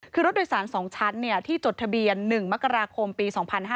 คือรถโดยสาร๒ชั้นที่จดทะเบียน๑มกราคมปี๒๕๕๙